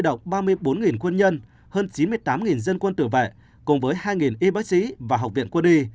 động ba mươi bốn quân nhân hơn chín mươi tám dân quân tự vệ cùng với hai y bác sĩ và học viện quân y